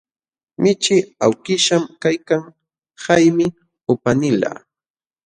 Michii awkishñam kaykan, haymi upanilaq.